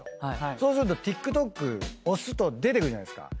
そうするとＴｉｋＴｏｋ押すと出てくるじゃないですか。